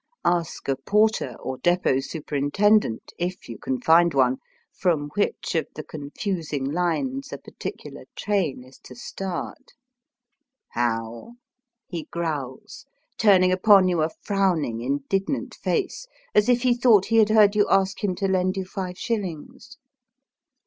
Ask a porter or depot superintendent Digitized by VjOOQIC ^ ON THE BAILWAY CARS. 157 (if you can find one) from which of the con fusing Knes a particular train is to start. ^^ How? "he growls, turning upon you a frowning, indignant face, as if he thought he had heard you ask him to lend you five shillings.